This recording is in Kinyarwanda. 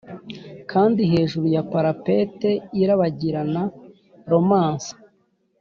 kandi hejuru ya parapet irabagirana romance.